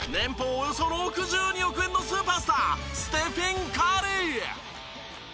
およそ６２億円のスーパースターステフィン・カリー！